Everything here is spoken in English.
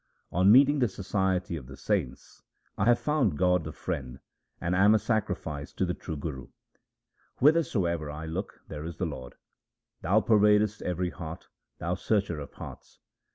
On meeting the society of the saints I have found God the Friend, and am a sacrifice to the true Guru. Whithersoever I look, there is the Lord. Thou pervadest every heart, Thou Searcher of hearts.